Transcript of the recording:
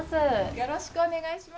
よろしくお願いします。